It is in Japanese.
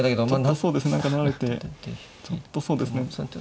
そうですね何か成られてちょっとそうですね。